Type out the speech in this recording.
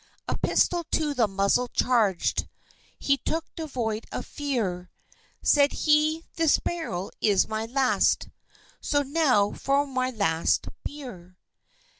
A pistol to the muzzle charged He took devoid of fear; Said he, "This barrel is my last, So now for my last bier!"